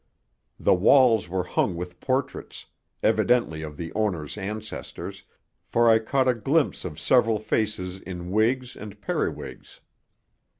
The walls were hung with portraits, evidently of the owner's ancestors, for I caught a glimpse of several faces in wigs and periwigs.